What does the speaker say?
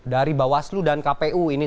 dari bawaslu dan kpu ini